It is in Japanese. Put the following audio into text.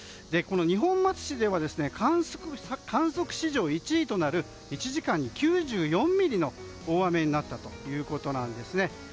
二本松市では観測史上１位となる１時間に９４ミリの大雨になったということなんです。